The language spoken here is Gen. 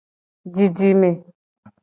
Didime.